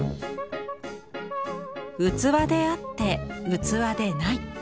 器であって器でない。